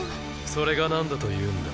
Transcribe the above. それがなんだというんだ。